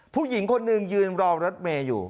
ผู้หญิงคนหนึ่งยืนรอรถเมย์อยู่